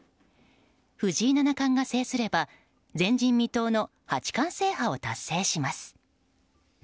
藤井七冠が制すれば、前人未到の八冠制覇を達成します。